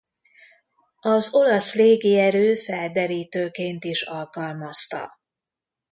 Az Olasz Légierő felderítőként is alkalmazta.